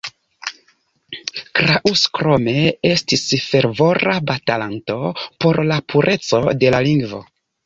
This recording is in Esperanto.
Kraus krome estis fervora batalanto por la pureco de la lingvo.